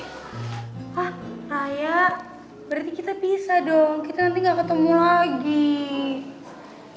hah raya berarti kita pisah dong kita nanti nggak ketemu lagi